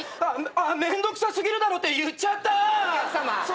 あっめんどくさ過ぎるだろって言っちゃったぁ！